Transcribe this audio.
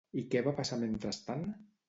I què va passar mentrestant?